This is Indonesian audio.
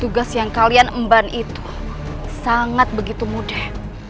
tugas yang kalian emban itu sangat begitu mudah